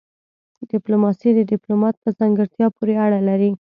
ډيپلوماسي د ډيپلومات په ځانګړتيا پوري اړه لري.